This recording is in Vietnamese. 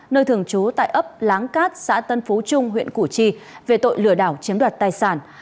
nơi thường trú tại ấp láng cát xã tân phú trung huyện củ chi về tội lừa đảo chiếm đoạt tài sản